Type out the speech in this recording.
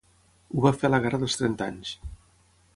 Ho va fer a la Guerra dels Trenta Anys.